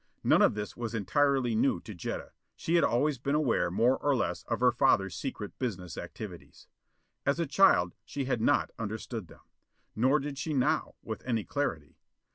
None of this was entirely new to Jetta. She had always been aware more or less of her father's secret business activities. As a child she had not understood them. Nor did she now, with any clarity.